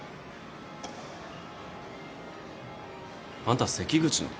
あんた関口の？